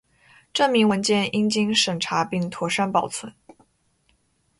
证明文件应经审查并妥善保存